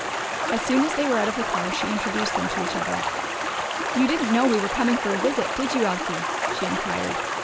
As soon as they were out of the car she introduced them to each other. "You didn't know we were coming for a visit, did you, Elsie?" she inquired.